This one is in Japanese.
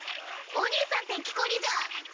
お兄さんってきこりじゃ。